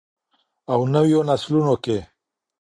او نویو نسلونو کې.